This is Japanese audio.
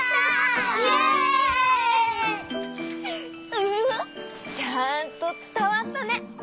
ウフフ！ちゃんとつたわったね！